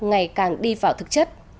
ngày càng đi vào thực chất